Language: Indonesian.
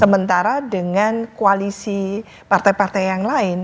sementara dengan koalisi partai partai yang lain